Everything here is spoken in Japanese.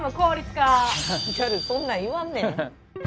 ギャルそんなん言わんねん。